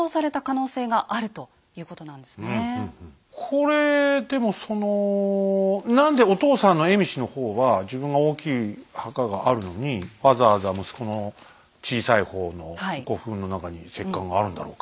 これでもそのなんでお父さんの蝦夷の方は自分が大きい墓があるのにわざわざ息子の小さい方の古墳の中に石棺があるんだろうか。